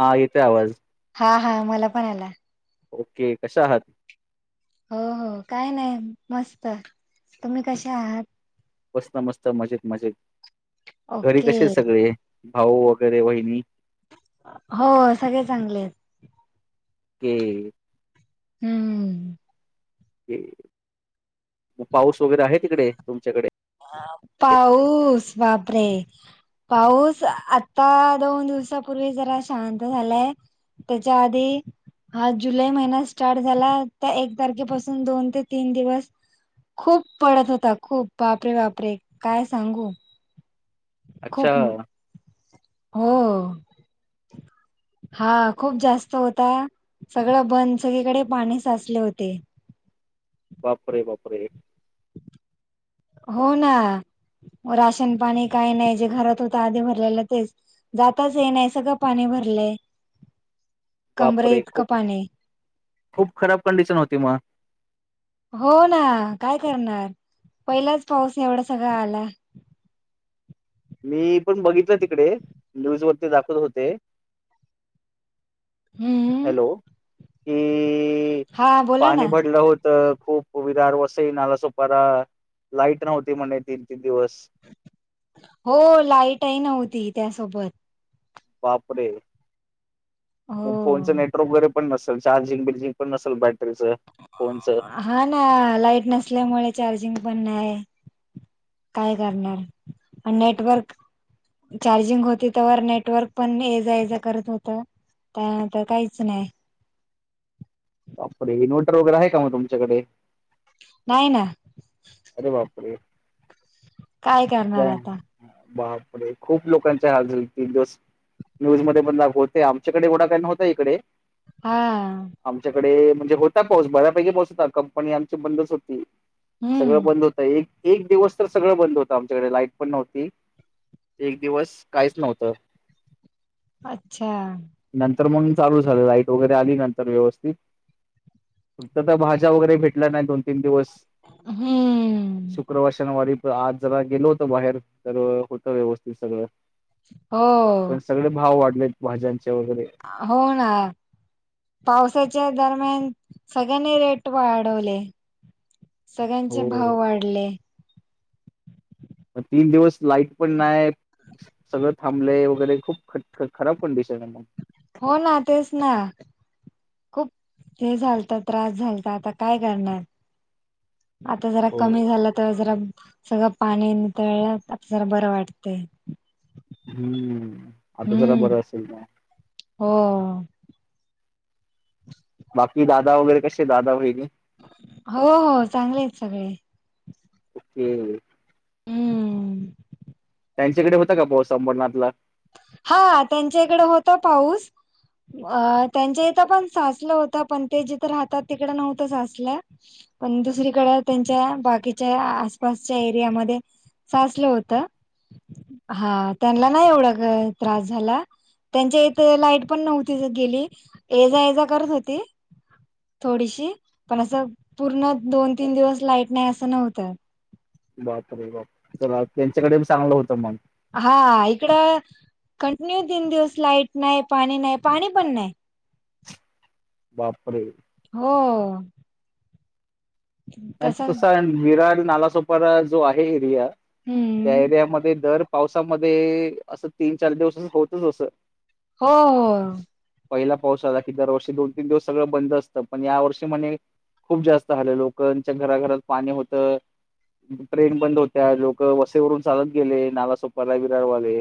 हा येते आवाज हा हा मला पण आला ओके कशा आहात हो हो काय नाही मस्त तुम्ही कसे आहात मस्त मस्त मजेत मजेत घरी ओके कसे सगळे भाऊ वगैरे वहिणी हो सगळे चांगले आहेत ते हम पाऊस वगैरे आहे तिकडे तुमच्याकडे पाऊस बाप रे पाऊस आता दोन दिवसापूर्वी जरा शांत झालाय त्याच्या आधी हा जुलै महिना स्टार्ट झाला त्या एक तारखेपासून दोन ते तीन दिवस खूप पडत होता खूप बापरे बापरे काय सांगू अच्छा खूप हो हा खूप जास्त होता सगळं बंद सगळीकडे पाणी साचले होते बापरे बापरे हो ना राशन पाणी काही नाही जे घरात होत आधी भरलेलं तेच जाताच हे नाही सगळं पाणी भरलंय कमरे वापरे इतकं खूप पाणी खूप खराब कंडिशन होती मग हो ना काय करणार पहिलाच पाऊस एवढा सगळळा आला मी पण बघितलं तिकडे न्यूज वरती दाखवत होते हम्म हॅलो की हा बोला ना पाणी पडलं होत खूप विरार वसई नाला सोपारा लाईट नव्हती म्हणे तीन तीन दिवस हो लाईटही नव्हती त्यासोबत बापरे हो मग फोनच नेटवर्क वगैरे पण नसेल चार्जिंग बिल्जिंग पण नसेल बॅटरीचं फोनचं हा ना लाईट नसल्यामुळे चार्जिंग पण नाही काय करणार नेटवर्क चार्जिंग होती तरवर नेटवर्क पण ये जा येज करत होत त्या नंतर काहीच नाही बापरे इनव्हर्टर वगैरे आहे का मग तुमच्याकडे नाही ना अर बापरे काय करणार जय आता, बापरे खूप लोकांच्या हाल झाल तीन दिवस न्यूज मध्ये पण लावते आमच्याकडे एडा काय नव्हता इकडे हा आमच्याकडे म्हणजे होता पाऊस बऱ्यापैकी पाऊस होता कंपनी आमची बंदच होती सगळं हम्म बंद होतं एक एक दिवस तर सगळं बंद होतं आमच्याकडे लाईट पण नव्हती एक दिवस काहीच नव्हतं अच्छा नंतर मग चालू झालं लाईट वगैरे आली नंतर व्यवस्थित फक्त तर भाज्या वगैरे भेटल्या नाही दोन तीन दिवस हम्म शुक्रवार शनिवारी आज जरा गेलो होत बाहेर तर होतं व्यवस्थित सगळं हो पण सगळे भाव वाढलय भाज्यांचे वगैरे हो ना पावसाच्या दरम्यान सगळ्यांनी रेट वाढवले सगळ्यांचे हो भाव वाढले तीन दिवस लाईट पण नाही सगळं थांबले वगैरे खूप ख खराब कंडिशन आहे मग. हो ना तेच ना. खूप हे झालत त्रास झालत आता काय करणार? आता जरा हो कमी झालं तर जरा. सगळं पाणी नितळ आपल्याला बरं वाटत. हम्म आता जरा बरं असेल का? हो. बाकी दादा वगैरे कसे दादा वहिनी? हो हो चांगले आहेत सगळे ह ह. हम. त्यांच्याकडे होता का पाऊस अभरनाथला हा त्यांच्याकडे होता पाऊस. अ त्यांच्या इथं पण साचलं होत पण ते जिथ राहतात तिकड नव्हतं साचलं. पण दुसरीकडे त्यांच्या बाकीच्या आसपासच्या एरियामध्ये. साचलं होत हा त्यांना नाही एवढा त्रास झाला त्यांच्या इथ लाईट पण नव्हती गेली ए जा ये जा करत होती. थोडीशी पण असं पूर्ण दोन तीन दिवस लाईट नाही असं नव्हतं. बापरे बापरे चला त्यांच्याकडे चांगलं होत मग. हा इकड कंटिन्यू तीन दिवस लाईट नाही पाणी नाही पाणी पण नाही. बापरे? हो. नाही कसा तसा विरार नालासोपारा जो आहे एरिया त्या हम्म एरियामध्ये दर पावसामध्ये असं तीन चार दिवस होतच असं. हो हो. पहिला पाऊस आला की दरवर्षी दोन तीन दिवस सगळं बंद असतं पण या वर्षी म्हणे खूप जास्त हालं आहे लोकांच्या घराघरात पाणी होतं. ट्रेन बंद होत्या लोक वसईवरून चालत गेले नालासोपारा विरारवाले.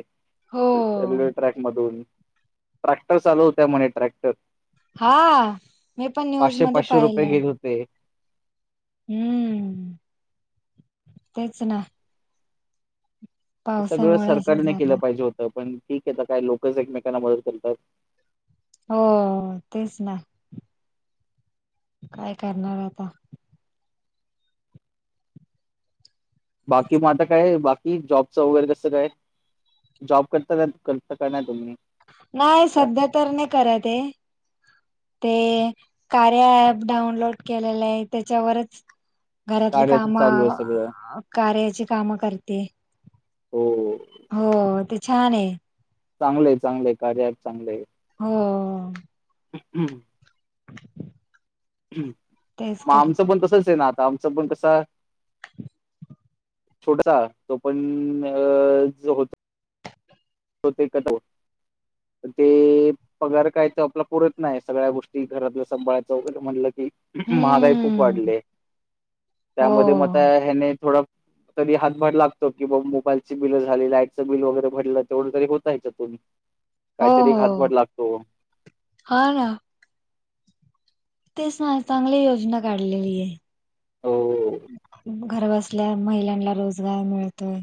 हो रेल्वे ट्रॅक मधून ट्रॅक्टर चालू होत्या म्हणे ट्रॅक्टर. हा मी पण न्यूज मध्ये पाहिलंय. ते. हम्म तेच ना. हे सगळं पावसामुळे असं सरकारने केलं झालं पाहिजे होतं पण ठीक आहे आता काय लोकच एकमेकांना मदत करतात. हो तेच ना. काय करणार आता? बाकी माझ काय बाकी. कि जॉबचं वगैरे कसं काय जॉब करता करता का नाही तुम्ही? नाही आता सध्या तर नाही करत आहे. ते कार्या ॲप डाऊनलोड केलेलं आहे त्याच्यावरच. घरातली कार्याच चालू आहे कामं सगळं कार्याची कामं करते. हो हो ते छान आहे. चांगलं आहे चांगलंय कार्या चांगलं आहे. हो. हं हं. तेच मग आमचं करते पण तसच आहे ना आता आमचं पण कसं छोटासा तो पण होता त ते कट ते पगार काय तर आपला पुरत नाही सगळ्या गोष्टी घरातलं सांभाळायचं वगैरे म्हटलं की. महागाई खूप हम्म वाढली हो त्यामध्ये मग आता ह्याने थोडा. तरी हातभार लागतो की बा मोबाईलची बि झाली लाईटचं बिल वगैरे भडलं तेवढं तरी होतयच्यातून हो हो हा ना ते चांगली योजना काढलेली आहे. हो घर बसल्या महिलांना रोजगार मिळतोय.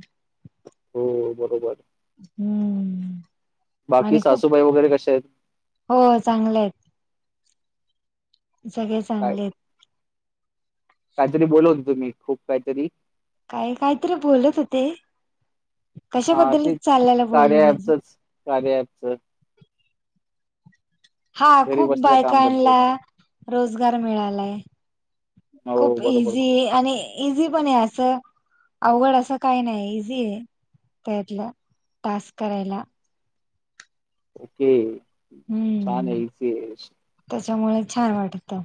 हो बरोबर. हम्म. बाकी आणि खूप सासूबाई वगैरे कसे आहेत. हो चांगल आहेत. सगळे चांगले आहेत. काय तरी बोलत होत तुम्ही खूप कायतरी काय काय तरी बोलत होते अ, कशाबद्दल ते चालल्याल बोलण कार्या माझं. ॲपचंच कार्या ॲपच. हा घरी खूप बसल्या काम करतो बायकांला ना. रोजगार मिळालाय हो खूप बरोबर. इझी आणि इझी पण आहे असं अवघड असं काही नाही इझी आहे त्यातलं टास्क करायला ओके ये छान ये हम्म ए सी ये. त्याच्यामुळे छान वाटतं.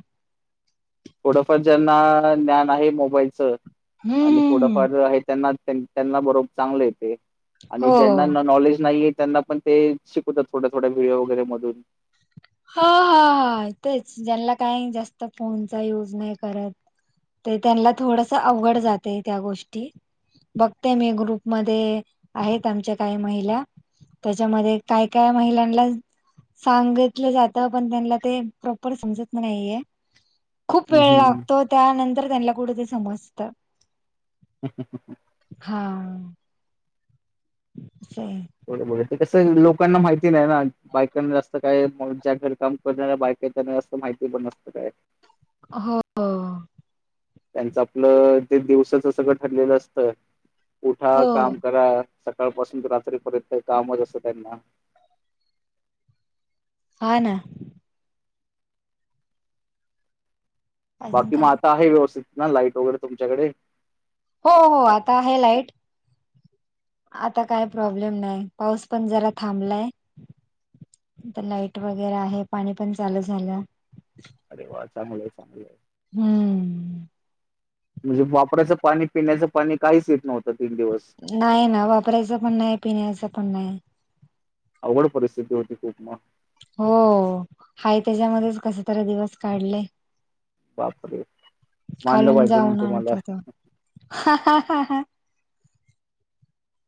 थोडंफार ज्यांना ज्ञान आहे मोबाईलचं आणि हम्म हम्म थोडंफार आहे. त्यांना त्या त्यांना बरोब चांगले ये ते आणि ज्यांना हो नॉलेज नाही ये त्यांना पण ते शिकवतात थोड्या थोड्या व्हिडिओ वगैरे मधून हा हा हा तेच ज्यांना काय जास्त फोनचा युज नाय करत. तर त्यांणला थोडस अवघड जातय त्या गोष्टी बघते मी ग्रुपमध्ये आहेत आमच्या काही महिला त्याच्यामध्ये काय काय महिलांना सांगे गितलं जात पण त्यांला प्रॉपर समत नाहीये खूप हं, वेळ हं. लागतो. त्यानंतर त्यांला कुठ ते समजतं. [unintelligible] हा. अस आहे. थोडं बहुत ते कसं लोकांना माहिती नाही ना बायकांना जास्त काय ज्या घर काम कोणाला बायकांना असंत माहिती पण नसत काय हो. हो. त्यांच आपलं ते दिवसाच सगळं ठरलेलं असतं उठा हो काम करा. सकाळ पासून रात्रीपर्यंत कामच असतं त्यांना हा ना अजून बाकी म काय आता आहे व्यवस्थित ना लाईट वगैरे तुमच्याकडे हो हो आता आहे लाईट आता काय प्रॉब्लेम नाय पाऊस पण जरा थांबलाय. आता लाइट वगैरे आहे पाणी पण चालू झालं. अरे वा! चांगलंय चांगलय. हम्म म्हणजे वापराचं पाणी पिण्याचं पाणी काहीच येत नव्हतं तीन दिवस नाही ना वापरायचं पण नाही पिण्याचं पण नाही. अवघड परिस्थिती होती खूप मं हो हाय त्याच्यामध्येच कसतरी दिवस काढले. बापरे! मानलं खालून पाहिजे मग जाऊन आणत तुम्हाला. होतो.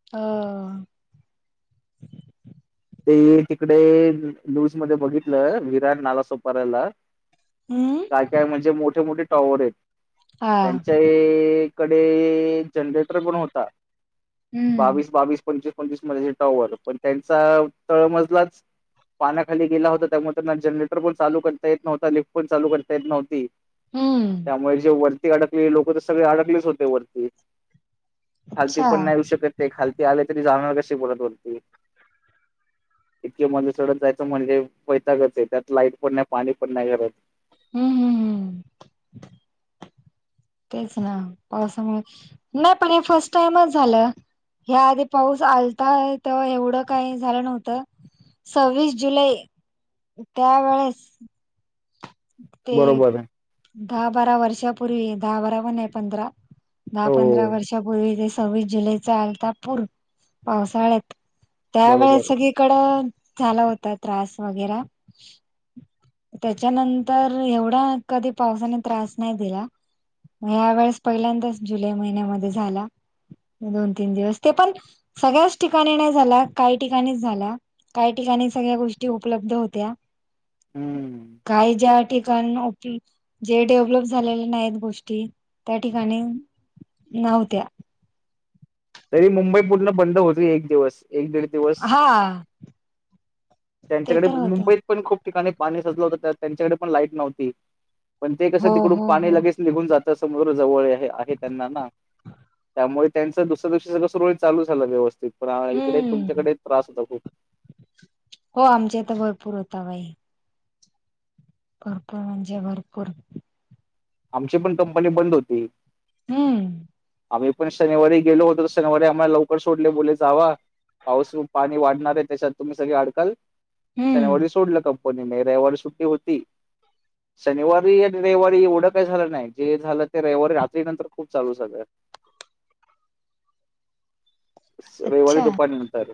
हो. ते तिकडे न्युज मध्ये बघितलं विराट नालासोपाऱ्याला हम्म काय काय म्हणजे मोठे मोठे टॉवर येत हा त्यांच्या कडे जनरेटर पण होता हम्म. बावीस बावीस पंचवीस पंचवीस मजळ्याचे टॉवर पण त्यांचा तळमजलाच पाण्याखाली गेला होता त्यामुळे त्यांना जनरेटर पण चालू करता येत नव्हता लिफ्ट पण चालू करता येत नव्हती. हम्म त्यामुळे जे वरती अडकलेली लोक तर सगळे अडकलेच होते वरती. खालती अच्छा पण नाहीऊ शकत ते खालती आले तरी जाणार कशी बोलत वरती. इतके मण चडत जायचं म्हणजे वैतागच येतोय त्यात लाईट पण नाही पाणी पण नाही घरात. हम् हम् हम. तेच ना पावसामुळे नाही पण हे फर्स्ट टाइमच झालं. ह्याआधी पाऊस आलताय तर एवढं काही झालं नव्हतं. सव्वीस जुलै त्यावेेळेस. ते बरोबर दहा बारा वर्षापूर्वी दहा बारा पण नाय पंधरा दहा पंधरा हो वर्षापूर्वी जे सव्वीस जुलै चा आलता पूर पावसाळ्यात. त्यावेळेस बरोबर सगळी कड झाला होता त्रास वगैरां त्याच्यानं तर एवढा कधी पावसाने त्रास नाय दिला. या वेळेस पहिल्यांदाच जुलै महिन्यामध्ये झाला दोन तीन दिवस ते पण सगळ्याच ठिकाणी नाही झाला काही ठिकाणीच झाला. काही ठिकाणी सगळ्या गोष्टी उपलब्ध होत्या हम्म. काही ज्या ठिकाण नै की जे डेव्हलप झालेले नाही गोष्टी त्या ठिकाणी नौत्या. तरी मुंबई पूर्ण बंद होत एक दिवस. एक दीड दिवस हा ते त्यांच्याकडे तर मु होत मुंबईत पण खूप ठिकाणी पाणी सज त्यांच्याकडे पण लाईट नव्हती पण ते कस हो तिकडून हो पाणी हो लगेच निघुण जात समुद्र जवळ आहे त्यांना ना त्यामुळे त्यां त्यादिवशी सगळ सुरळीत चाल झालं व्यवस्थित पण आ इकडे हम्म तुमच्याकडे त्रास होता खूप. हो आमच्या इथं भरपूर होता बाई. भरपूर म्हणजे भरपूर. आमची पण कंपनी बंद होती. हम्म. आम्ही पण शनिवारी गेलो होतो तर शनिवारी आम्हाला लवकर सोडले बोलले जावा. पाऊस पाणी वाढणार आहे त्याच्यात तुम्ही सगळी अडकाल हम्म शनिवारी सोडलं काप कोणी नाही रविवारी सुट्टी होती शनिवारी रविवारी एवढ काय झालं नाही जे झालं ते रविवारी रात्री नंतर खूप चालू झालं. रविवारी अच्छा दुपारी नंतर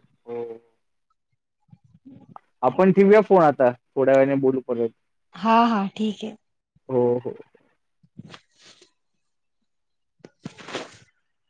आपण ठेवया फोन आता थोड्या वेळाने बोलू परत. हा हा ठीक आहे हो हो. [inaudible]